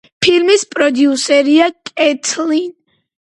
ფილმის პროდიუსერია კეთლინ კენედი, სტივენ სპილბერგი და ბონი კურტისი.